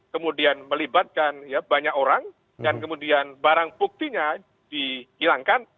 kemudian melibatkan banyak orang dan kemudian barang buktinya dihilangkan